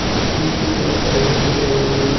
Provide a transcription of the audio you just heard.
আমি স্পাইডার-ম্যান কে পুরো আলুভাজি করে দিচ্ছিলাম।